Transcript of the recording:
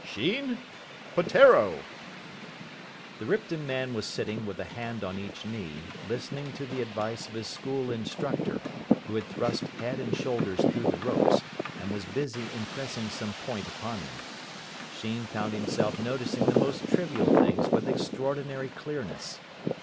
"Sheen Peteiro." The Ripton man was sitting with a hand on each knee, listening to the advice of his school instructor, who had thrust head and shoulders through the ropes, and was busy impressing some point upon him. Sheen found himself noticing the most trivial things with extraordinary clearness.